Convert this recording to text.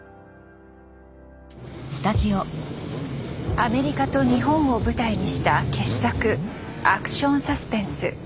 アメリカと日本を舞台にした傑作アクションサスペンス